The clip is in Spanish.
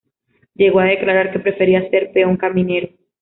Llegó a declarar que ""prefería ser peón caminero"".